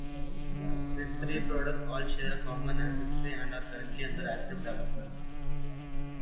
These three products all share a common ancestry and are currently under active development.